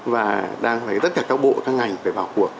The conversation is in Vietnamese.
và đang phải tất cả các bộ các ngành phải vào cuộc